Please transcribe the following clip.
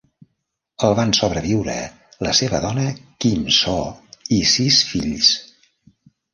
El van sobreviure la seva dona Khin Saw i sis fills.